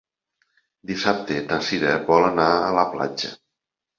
Dissabte na Sira vol anar a la platja.